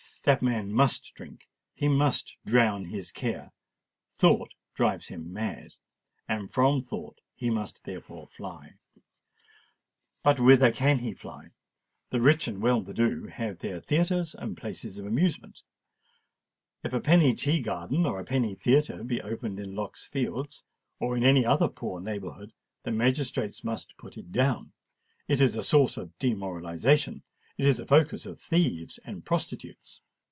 That man must drink—he must drown his care: thought drives him mad—and from thought he must therefore fly. But whither can he fly? The rich and the well to do have their theatres and places of amusement: if a penny tea garden or a penny theatre be opened in Lock's Fields, or in any other poor neighbourhood, the magistrates must put it down;—it is a source of demoralisation—it is a focus of thieves and prostitutes!